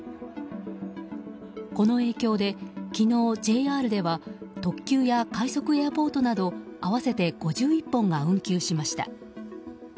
この影響で昨日、ＪＲでは特急や快速エアポートなど合わせて５１本が運休しました。